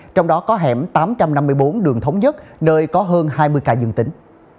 trong đó có hẻm tám trăm năm mươi bốn đường thống nhất nơi có hơn hai mươi ca dương tính